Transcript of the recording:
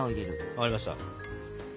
分かりました。